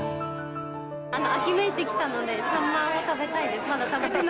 秋めいてきたのでサンマを食べたいです。